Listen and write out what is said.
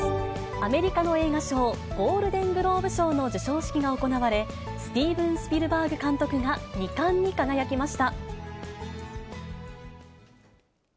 アメリカの映画賞、ゴールデングローブ賞の授賞式が行われ、スティーブン・スピルバーグ監督が２冠に輝きました。